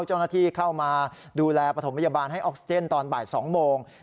เจ้าหน้าที่เข้ามาดูแลปฐมพยาบาลให้ออกซิเจนตอนบ่าย๒โมง